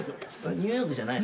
ニューヨークじゃないの？